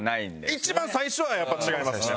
一番最初はやっぱ違いますね。